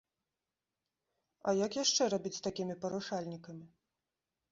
А як яшчэ рабіць з такімі парушальнікамі?